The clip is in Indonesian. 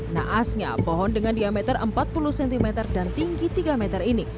naasnya pohon dengan diameter empat puluh cm dan tinggi tiga meter ini